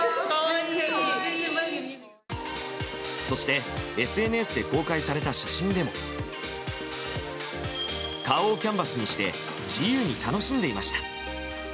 そして、ＳＮＳで公開された写真でも顔をキャンバスにして自由に楽しんでいました。